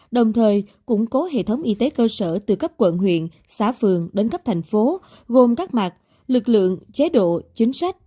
đồng thời củng cố hệ thống y tế cơ sở từ các quận huyện xã phường đến các thành phố gồm các mạc lực lượng chế độ chính sách